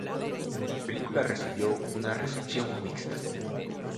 La película recibió una recepción mixta.